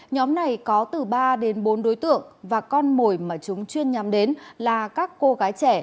nhóm này có từ ba đến bốn đối tượng và con mồi mà chúng chuyên nhắm đến là các cô gái trẻ